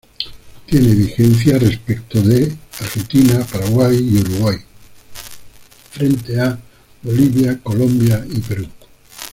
Tiene vigencia respecto de Argentina, Paraguay y Uruguay frente a Bolivia, Colombia y Perú.